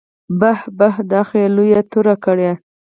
بح بح دا خو يې لويه توره کړې.